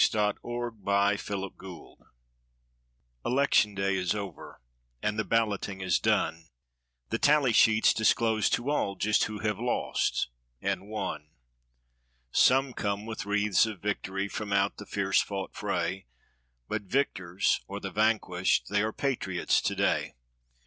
POST ELECTION THOUGHTS Election day is over and the balloting is done. The tally sheets disclose to all just who have lost and won. Some come with wreaths of victory from out the fierce fought fray; But victors or the vanquished they are patriots today.